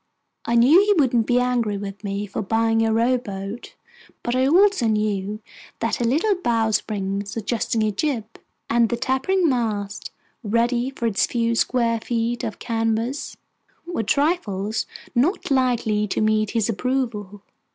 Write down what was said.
I knew he wouldn't be angry with me for buying a rowboat; but I also knew that the little bowsprit suggesting a jib, and the tapering mast ready for its few square feet of canvas, were trifles not likely to meet his approval.